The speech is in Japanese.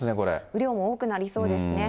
雨量も多くなりそうですね。